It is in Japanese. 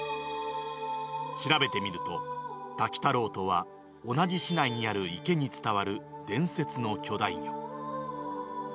調べてみると、タキタロウとは、同じ市内にある池に伝わる伝説の巨大魚。